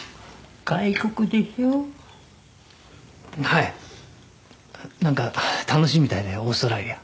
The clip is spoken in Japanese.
はい何か楽しいみたいでオーストラリア。